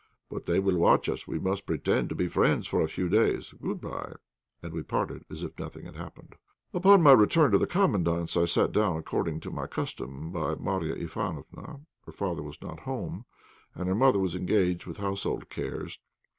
But they will watch us; we must pretend to be friends for a few days. Good bye." And we parted as if nothing had happened. Upon my return to the Commandant's, I sat down according to my custom by Marya Ivánofna; her father was not at home, and her mother was engaged with household cares.